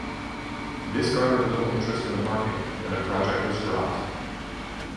This garnered little interest in the market, and the project was dropped.